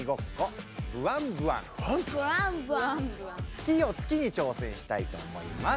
今日はに挑戦したいと思います。